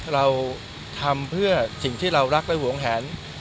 เราทำเพื่อสิ่งที่เรารักและหวงแหน